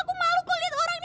aku malu aku liat orang